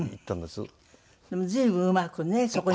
でも随分うまくねそこに。